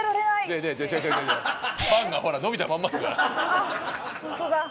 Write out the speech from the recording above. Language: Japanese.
あっホントだ。